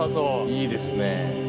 いいですね。